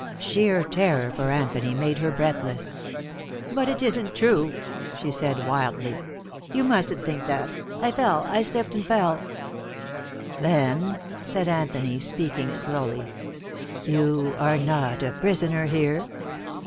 Sheer terror for Anthony made her breathless. "But it isn't true," she said wildly. "You mustn't think that. I fell. I slipped and fell." "Then," said Anthony, speaking slowly, "you are not a prisoner here?"